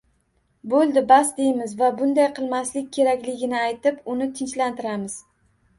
Bo`ldi bas, deymiz va bunday qilmaslik kerakligini aytib, uni tinchlantiramiz